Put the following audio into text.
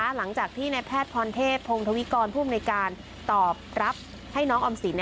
หลังจากที่ในแพทย์พรเทพพงธวิกรผู้อำนวยการตอบรับให้น้องออมสิน